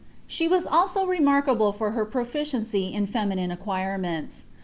She wm iIm remarkable for her proficiency in feminine acqnirements.